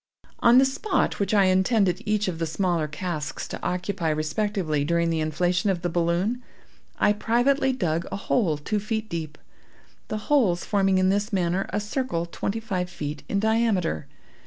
"On the spot which I intended each of the smaller casks to occupy respectively during the inflation of the balloon, I privately dug a hole two feet deep; the holes forming in this manner a circle twenty five feet in diameter.